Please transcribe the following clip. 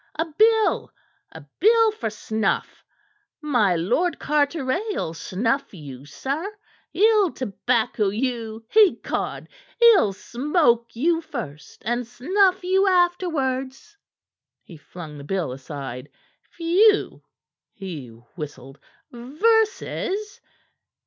A bill! A bill for snuff! My Lord Carteret'll snuff you, sir. He'll tobacco you, ecod! He'll smoke you first, and snuff you afterwards." He flung the bill aside. "Phew!" he whistled. "Verses!